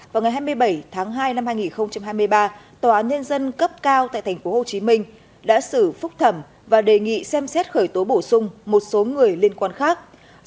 vào ngày hai mươi bảy tháng hai năm hai nghìn hai mươi ba tòa án nhân dân cấp cao tại tp hcm đã xử phúc thẩm và đề nghị xem xét khởi tố bổ xuất